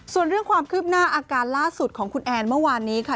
ส่วนเรื่องความคืบหน้าอาการล่าสุดของคุณแอนเมื่อวานนี้ค่ะ